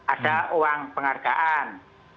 ada uang penghargaan